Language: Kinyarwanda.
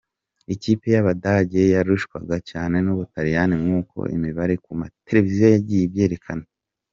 Ikipe y’abadage yarushwaga cyane n’Ubutaliyani nkuko imibare ku mateleviziyo yagiye ibyerekana.